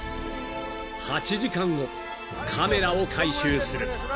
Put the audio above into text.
［８時間後カメラを回収する］